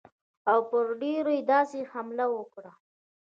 او پر دیر یې داسې حمله وکړه.